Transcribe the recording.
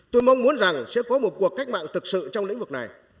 tôi mong muốn rằng sẽ có một cuộc cách mạng thực sự trong lĩnh vực này